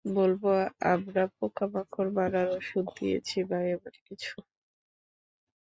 বলব আমরা পোকামাকড় মারার ওষুধ দিয়েছি বা এমন কিছু।